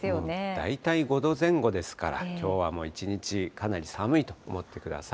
大体５度前後ですから、きょうはもう一日かなり寒いと思ってください。